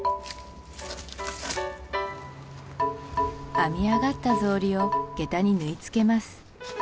編み上がった草履を下駄に縫い付けます